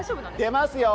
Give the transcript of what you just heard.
出ますよ。